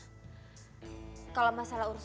kalau masalah urusan besok nanti deh